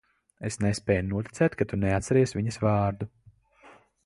Es nespēju noticēt, ka tu neatceries viņas vārdu.